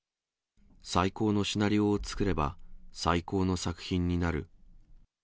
最高のシナリオを作れば、最高の作品になる。